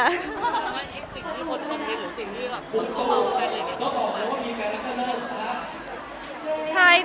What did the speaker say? อย่างไรอีกสิ่งที่คนสมมุมหรือสิ่งที่กระบวนตัวอะไรเลยครับ